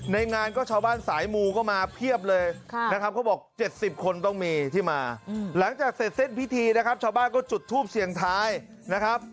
งานก็ชาวบ้านสายมูก็มาเพียบเลยนะครับเขาบอก๗๐คนต้องมีที่มาหลังจากเสร็จสิ้นพิธีนะครับชาวบ้านก็จุดทูปเสียงทายนะครับ